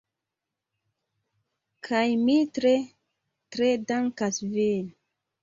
Kaj mi tre, tre dankas vin.